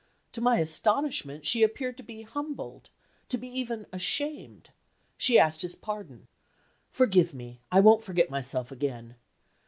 To my astonishment she appeared to be humbled, to be even ashamed: she asked his pardon: "Forgive me; I won't forget myself again.